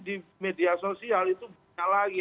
di media sosial itu banyak lagi